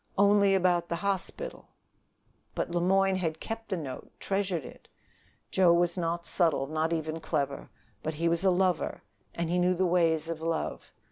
Only about the hospital but Le Moyne had kept the note, treasured it! Joe was not subtle, not even clever; but he was a lover, and he knew the ways of love.